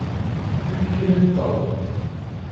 Fakk-ikem imeṭṭawen!